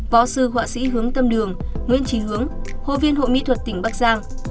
võ sư họa sĩ hướng tâm đường nguyễn trí hướng hội viên hội mỹ thuật tỉnh bắc giang